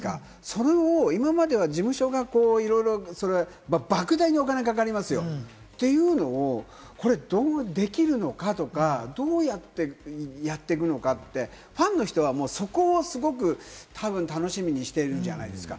それを今までは事務所が莫大なお金かかりますよ、というのをこれできるのかとか、どうやってやっていくのかって、ファンの人はそこをすごく、たぶん楽しみにしているじゃないですか。